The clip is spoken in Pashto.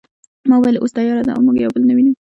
ما وویل اوس تیاره ده او موږ یو بل نه وینو